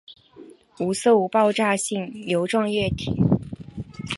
无色无爆炸性油状液体。